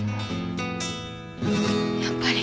やっぱり。